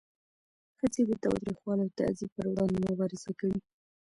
ښځې د تاوتریخوالي او تعذیب پر وړاندې مبارزه کوي.